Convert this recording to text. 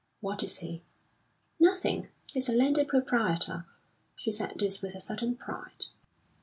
"What is he?" "Nothing! He's a landed proprietor." She said this with a certain pride.